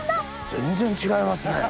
全然違いますね。